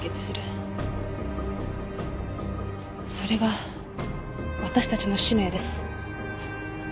それが私たちの使命です。